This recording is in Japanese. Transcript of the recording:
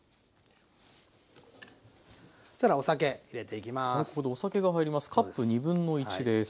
そしたらお酒入れていきます。